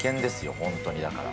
本当に、だから。